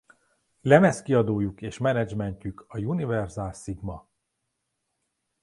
Lemezkiadójuk és menedzsmentjük a Universal Sigma.